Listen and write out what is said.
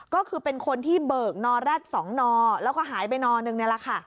ก็คือเป็นคนที่เบิกนอแรด๒นอแล้วก็หายไป๑นอ